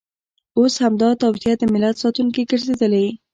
اوس همدا توطیه د ملت ساتونکې ګرځېدلې.